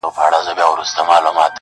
زما او ستا په جدايۍ خوشحاله.